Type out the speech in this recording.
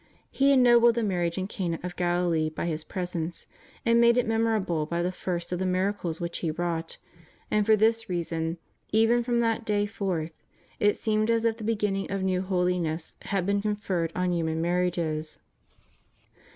He ennobled the marriage in Cana of Galilee by His presence, and made it memorable by the first of the miracles which He wrought ;' and for this reason, even from that day forth, it seemed as if the beginnings of new holiness had been conferred on human marriages.